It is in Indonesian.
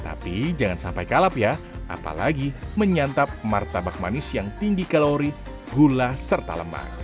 tapi jangan sampai kalap ya apalagi menyantap martabak manis yang tinggi kalori gula serta lemak